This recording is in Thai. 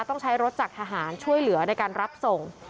ต้องใช้รถจากทหารช่วยเหลือในการรับส่ง